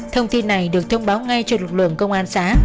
thông tin này được thông báo ngay cho lực lượng công an xã